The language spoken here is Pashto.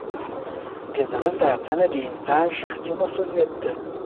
د زړه ساتنه د انسان شخصي مسؤلیت دی.